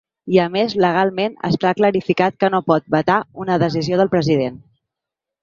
I a més legalment està clarificat que no pot vetar una decisió del president.